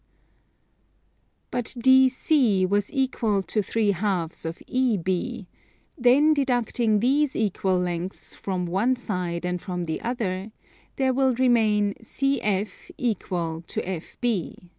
But DC was equal to 3/2 of EB; then deducting these equal lengths from one side and from the other, there will remain CF equal to FB.